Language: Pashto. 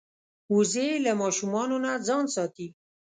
وزې له ماشومانو نه ځان ساتي